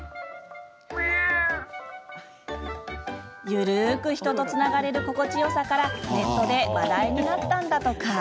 緩く人とつながれる心地よさからネットで話題になったんだとか。